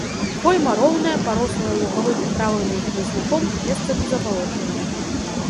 Пойма роўная, парослая лугавымі травамі і хмызняком, месцамі забалочаная.